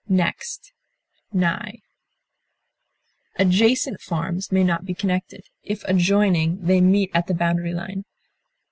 beside, Adjacent farms may not be connected; if adjoining, they meet at the boundary line.